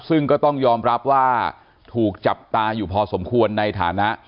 ซึ่งก็ต้องยอมรับว่าถูกจับตาอยู่พอสมควรในฐานะ